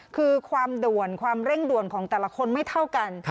คือความด่วนความเร่งด่วนของแต่ละคนไม่เท่ากัน